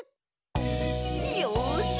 よし！